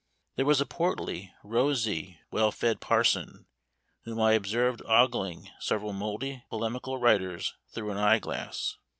There was a portly, rosy, well fed parson, whom I observed ogling several mouldy polemical writers through an eyeglass.